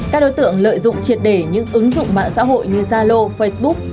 các đối tượng lợi dụng triệt để những ứng dụng mạng xã hội như zalo facebook